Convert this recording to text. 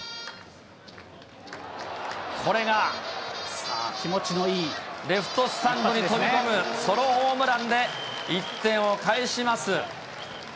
これがさあ、気持ちのいい、レフトスタンドに飛び込むソロホームランで、１点を返します。